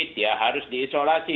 dia harus diisolasi